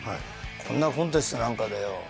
「こんなコンテストなんかでよ」